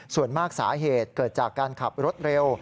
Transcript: ส่วนมากสาเหตุเกิดจากการขับรถเร็ว